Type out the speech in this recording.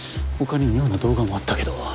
他に妙な動画もあったけど。